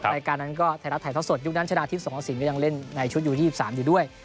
รายการนั้นก็ไทยรัฐไทยท้อสดยุคนั้นชนะอาทิตย์สงสังศรีก็ยังเล่นในชุดอยู่ที่๒๓อยู่ด้วย